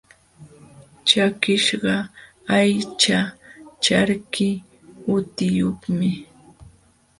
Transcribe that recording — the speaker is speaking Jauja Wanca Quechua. Chakiśhqa aycha charki hutiyuqmi.